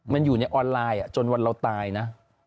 มันอยู่ในออนไลน์จนวันเราตายนะ